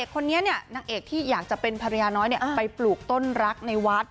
คนนี้นางเอกที่อยากจะเป็นภรรยาน้อยไปปลูกต้นรักในวัด